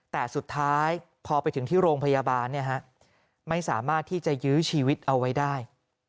แต่สุดท้ายพอไปถึงที่โรงพยาบาลไม่สามารถที่จะยื้อชีวิตเอาไว้ได้